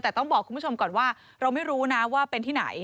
แต่ต้องบอกคุณผู้ชมก่อนว่าเราไม่รู้นะว่าเป็นที่ไหน